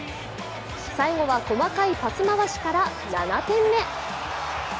最後は細かいパス回しから７点目。